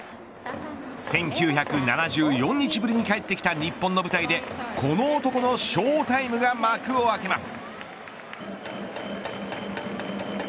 １９７４日ぶりに帰ってきた日本の舞台でこの男のショータイムが幕を開けます。